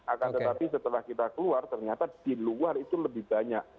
akan tetapi setelah kita keluar ternyata di luar itu lebih banyak